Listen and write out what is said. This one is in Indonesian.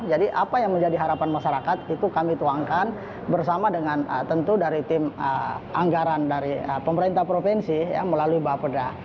jadi apa yang menjadi harapan masyarakat itu kami tuangkan bersama dengan tentu dari tim anggaran dari pemerintah provinsi ya melalui bapeda